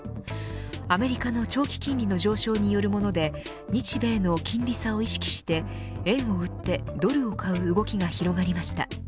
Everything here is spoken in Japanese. アメリカの長期金利の上昇によるもので日米の金利差を意識して円を売ってドルを買う動きが広がりました。